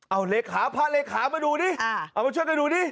เอาเลขาพาเลขามาดูนี่มาช่วยกันดูนี่